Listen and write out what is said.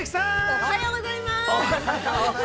◆おはようございまーす！